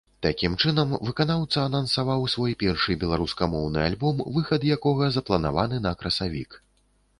Такім чынам выканаўца анансаваў свой першы беларускамоўны альбом, выхад якога запланаваны на красавік.